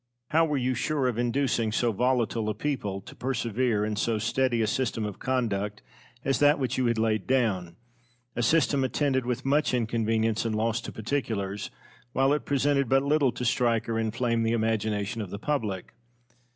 Cosmo. How were you sure of inducing so volatile a people to persevere in so steady a system of conduct as that which you had laid down a system attended with much inconvenience and loss to particulars, while it presented but little to strike or inflame the imagination of the public?